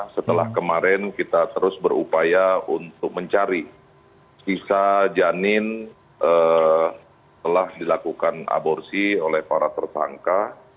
setelah kemarin kita terus berupaya untuk mencari sisa janin telah dilakukan aborsi oleh para tersangka